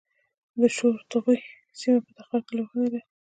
د شورتوغۍ سیمه په تخار کې لرغونې ده